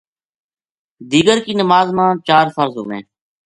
دیگر کی نماز ما چار فرض ہوویں۔